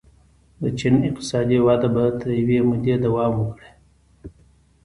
د چین اقتصادي وده به تر یوې مودې دوام وکړي.